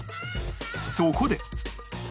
そこで